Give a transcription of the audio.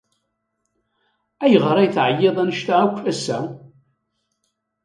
Ayɣer ay teɛyiḍ anect-a akk ass-a?